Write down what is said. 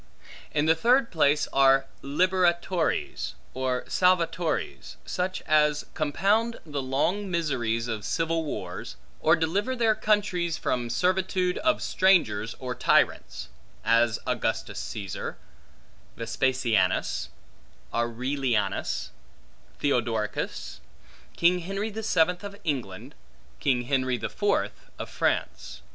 In the third place are liberatores, or salvatores, such as compound the long miseries of civil wars, or deliver their countries from servitude of strangers or tyrants; as Augustus Caesar, Vespasianus, Aurelianus, Theodoricus, King Henry the Seventh of England, King Henry the Fourth of France.